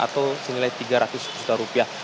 atau senilai tiga ratus juta rupiah